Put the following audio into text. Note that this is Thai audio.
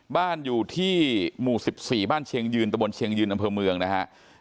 บ้านอยู่ที่หมู่๑๔บ้านเชียงยืนตะบนเชียงยืนอำเภอเมืองนะครับ